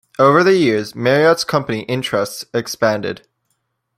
Over the years, Marriott's company interests expanded.